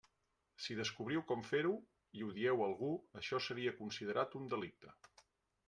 Si descobriu com fer-ho, i ho dieu a algú, això seria considerat un delicte.